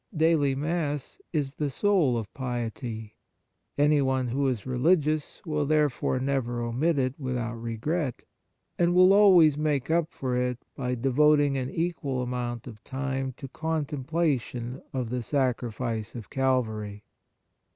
Daily Mass is the soul of piety. Anyone who is religious will therefore never omit it without regret, and will always make up for it by devoting an equal amount of time to contemplation of the Sacrifice of Calvary.